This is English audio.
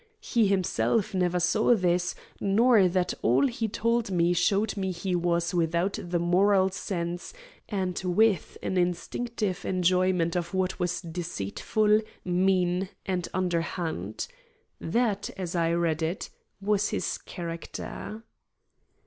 He himself never saw this, nor that all he told me showed he was without the moral sense, and with an instinctive enjoyment of what was deceitful, mean, and underhand. That, as I read it, was his character.